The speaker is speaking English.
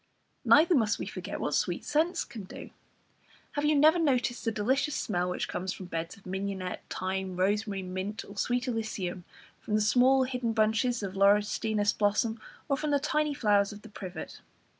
Neither must we forget what sweet scents can do. Have you never noticed the delicious smell which comes from beds of mignonette, thyme, rosemary, mint, or sweet alyssum, from the small hidden bunches of laurustinus blossom, or from the tiny flowers of the privet?